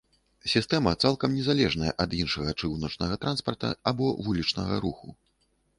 Сістэма цалкам незалежная ад іншага чыгуначнага транспарта або вулічнага руху.